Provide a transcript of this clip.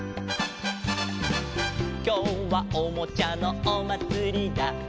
「きょうはおもちゃのおまつりだ」